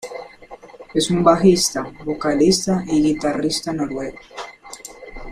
Es un bajista, vocalista y guitarrista noruego.